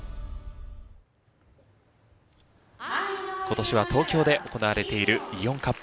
今年は東京で行われているイオンカップ。